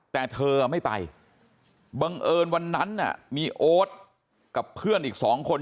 แต่เธอไม่ไปบังเอิญวันนั้นมีโอ๊ตกับเพื่อนอีก๒คน